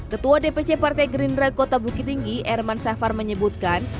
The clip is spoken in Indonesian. ketua dpc partai gerindra kota bukit tinggi erman safar menyebutkan